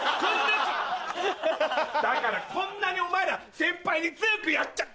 だからこんなにお前ら先輩に強くやっちゃ。